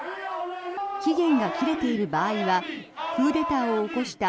期限が切れている場合はクーデターを起こした